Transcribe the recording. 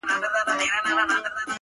نو گراني تاته وايم!!